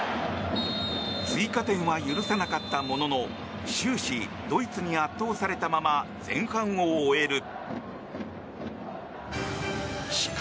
追加点は許さなかったものの終始、ドイツに圧倒されたまま前半を終える。